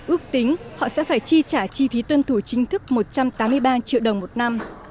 ước tính họ sẽ phải chi trả chi phí tuân thủ chính thức một trăm tám mươi ba triệu đồng một năm